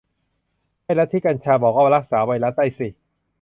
ให้ลัทธิกัญชาบอกว่ารักษาไวรัสได้สิ